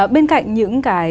bên cạnh những